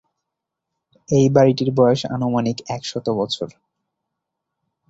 এই বাড়িটির বয়স আনুমানিক একশত বছর।